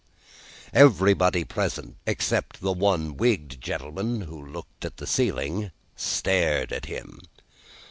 Everybody present, except the one wigged gentleman who looked at the ceiling, stared at him.